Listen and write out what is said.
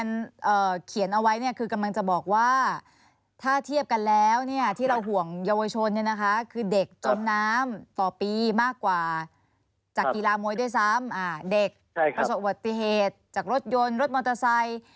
เขียนเอาไว้เนี่ยคือกำลังจะบอกว่าถ้าเทียบกันแล้วเนี่ยที่เราห่วงเยาวชนเนี่ยนะคะคือเด็กจมน้ำต่อปีมากกว่าจากกีฬามวยด้วยซ้ำเด็กประสบอุบัติเหตุจากรถยนต์รถมอเตอร์ไซค์